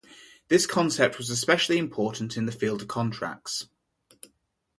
This concept was especially important in the field of contracts.